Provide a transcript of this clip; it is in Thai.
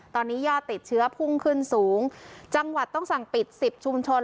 ตอนนี้ยอดติดเชื้อพุ่งขึ้นสูงจังหวัดต้องสั่งปิดสิบชุมชน